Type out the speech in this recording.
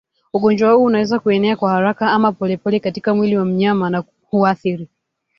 Ugonjwa huu unaweza kuenea kwa haraka ama polepole katika mwili wa mnyama na huathiri